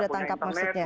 yang tidak punya internet